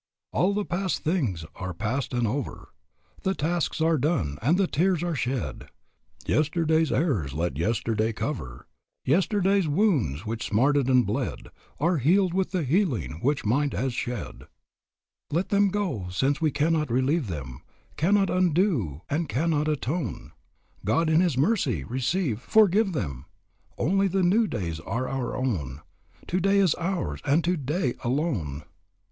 "All the past things are past and over, The tasks are done, and the tears are shed. Yesterday's errors let yesterday cover; Yesterday's wounds, which smarted and bled, Are healed with the healing which might has shed. "Let them go, since we cannot relieve them, Cannot undo and cannot atone. God in His mercy receive, forgive them! Only the new days are our own. Today is ours, and today alone.